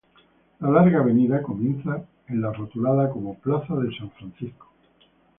La larga avenida comienza en la rotulada como Plaza de San Francisco.